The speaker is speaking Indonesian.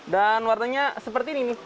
dan warnanya seperti ini nih